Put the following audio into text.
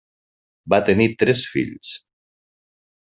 Va tenir tres fills: